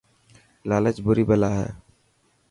لالچ بري بلا هي.